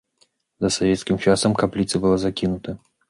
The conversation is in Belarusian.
За савецкім часам капліца была закінута.